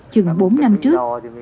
trường bốn năm trước